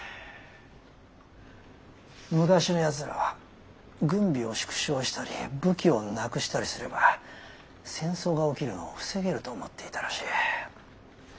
昔のやつらは軍備を縮小したり武器をなくしたりすれば戦争が起きるのを防げると思っていたらしい。